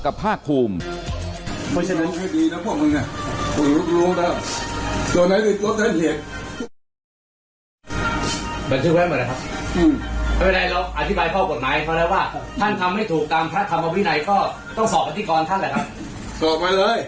กลับในที่สูงจริงด้านล่าง